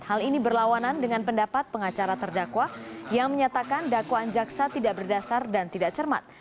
hal ini berlawanan dengan pendapat pengacara terdakwa yang menyatakan dakwaan jaksa tidak berdasar dan tidak cermat